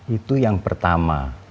itu yang pertama